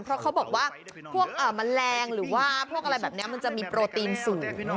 เพราะเขาบอกว่าพวกแมลงหรือว่าพวกอะไรแบบนี้มันจะมีโปรตีนสูง